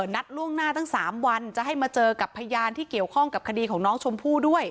นัดล่วงหน้าตั้ง๓วันจะให้มาเจอกับพยานที่เกี่ยวข้องกับคดีของน้องชมพู่ด้วย